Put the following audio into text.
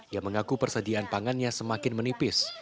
yang mengaku persediaan pangannya semakin menipis